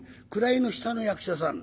位の下の役者さん。